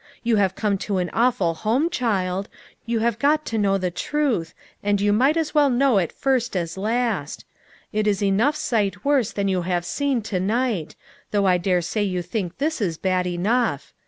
You have come to an aw ful home, child. You have got to know the truth, THE TRUTH IS TOLD. 61 and you might as well know it first as last. It is enough sight worse than you have seen to night, though I dare say you think this is bad enough.